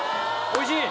おいしい！